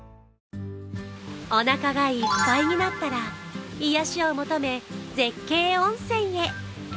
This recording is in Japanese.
おなかがいっぱいになったら癒やしを求め、絶景温泉へ。